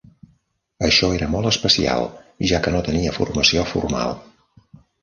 Això era molt especial, ja que no tenia formació formal.